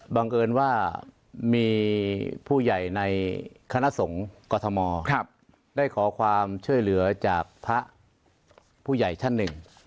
บังเอิญว่ามีผู้ใหญ่ในคณะสงฆ์กรทมได้ขอความช่วยเหลือจากพระผู้ใหญ่ท่านหนึ่ง